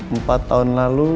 empat tahun lalu